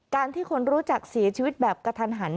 ที่คนรู้จักเสียชีวิตแบบกระทันหัน